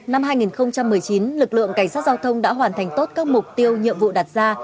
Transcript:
năm hai nghìn một mươi chín lực lượng cảnh sát giao thông đã hoàn thành tốt các mục tiêu nhiệm vụ đặt ra